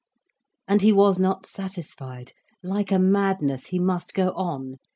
And he was not satisfied. Like a madness, he must go on.